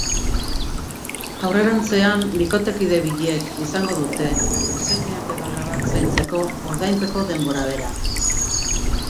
Aurrerantzean, bikotekide biek izango dute semeak edo alabak zaintzeko ordainpeko denbora bera.